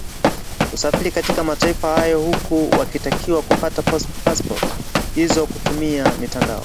usafiri katika Mataifa hayo huku wakitakiwa kupata paspoti hizo kutumia mitandao